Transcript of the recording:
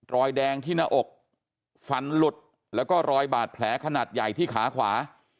รอยแดงที่หน้าอกฟันหลุดแล้วก็รอยบาดแผลขนาดใหญ่ที่ขาขวา